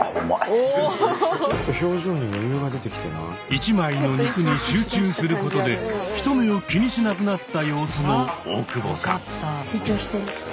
１枚の肉に集中することで人目を気にしなくなった様子の大久保さん。